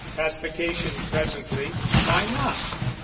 pacification presently, Why not?